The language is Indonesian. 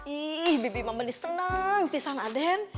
ih bibi membenis seneng pisang aden